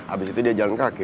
abis itu dia jalan kaki